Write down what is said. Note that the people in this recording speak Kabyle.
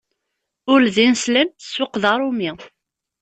Ul d ineslem, ssuq d aṛumi.